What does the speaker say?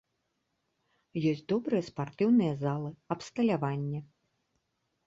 Ёсць добрыя спартыўныя залы, абсталяванне.